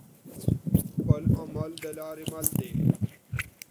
خپل عمل دلاری مل دی